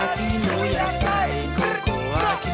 เตรียมตัวครับ